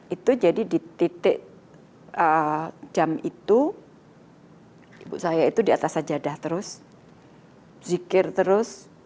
itu jadi di titik jam itu ibu saya itu di atas sajadah terus zikir terus